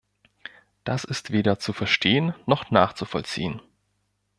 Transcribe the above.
Das ist weder zu verstehen noch nachzuvollziehen.